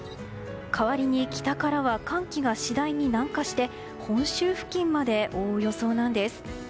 代わりに北からは寒気が次第に南下して本州付近まで覆う予想なんです。